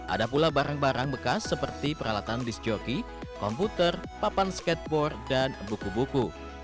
ada pula barang barang bekas seperti peralatan disc joki komputer papan skateboard dan buku buku